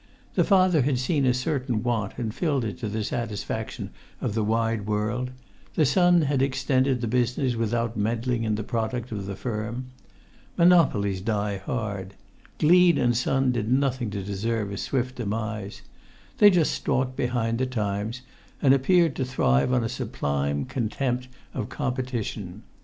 The father had seen a certain want and filled it to the satisfaction of the wide world; the son had extended the business without meddling with the product of the firm. Monopolies die hard. Gleed & Son did nothing to deserve a swift demise. They just stalked behind the times, and appeared to thrive on a sublime contempt of competition.